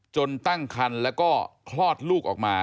ตั้งคันแล้วก็คลอดลูกออกมา